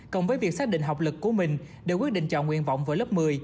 cộng với việc xác định học lực của mình để quyết định chọn nguyện vọng với lớp một mươi